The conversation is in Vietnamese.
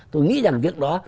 tôi nghĩ rằng việc đó